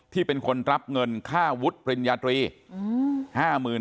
ที่เป็นคนรับเงินค่าวุฒิปริญญาตรี